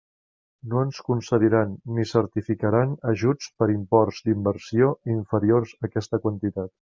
No es concediran ni certificaran ajuts per imports d'inversió inferiors a aquesta quantitat.